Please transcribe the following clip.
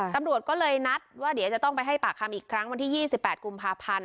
ตำรวจก็เลยนัดว่าเดี๋ยวจะต้องไปให้ปากคำอีกครั้งวันที่๒๘กุมภาพันธ์